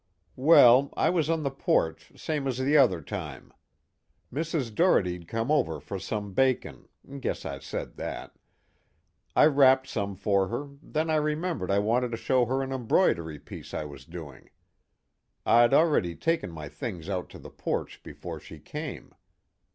"Well, I was on the porch same as the other time. Mrs. Doherty'd come over for some bacon guess I said that. I wrapped some for her, then I remembered I wanted to show her an embroidery piece I was doing. I'd already taken my things out to the porch before she came.